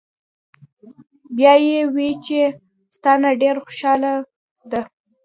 " بیا ئې وې چې " ستا نه ډېره خوشاله ده